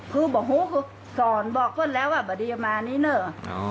คือบอกหูคือสอนบอกต้นแล้วอ่ะบะดีมานี้เนอะอ๋อ